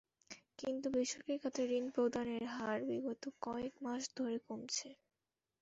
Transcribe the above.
কিন্তু বেসরকারি খাতে ঋণ প্রদানের হার বিগত কয়েক মাস ধরে কমছে।